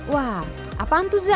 wah apaan tuh za